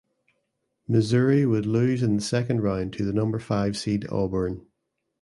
Missouri would lose in the second round to the number five seed Auburn.